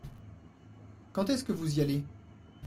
Quand est-ce que vous y allez ?